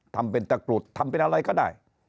ทำเป็นตะกรุดทำเป็นอะไรก็ได้